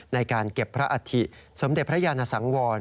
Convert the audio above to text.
ในการเก็บพระอัฐิสมเด็จพระยานสังวร